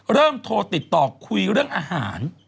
เริ่มโทรติดต่อคุยเรื่องอาหาร